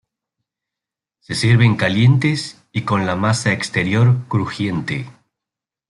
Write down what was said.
Se sirven calientes y con la masa exterior crujiente.